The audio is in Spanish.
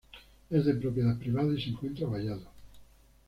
Es de propiedad privada y se encuentra vallado.